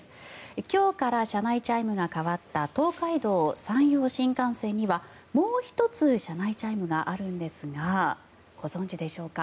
今日から車内チャイムが変わった東海道・山陽新幹線にはもう１つ、車内チャイムがあるんですがご存じでしょうか？